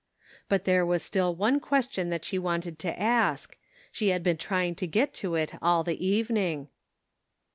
But there was still one question that she wanted to ask; she had been trying to get to it all the evening.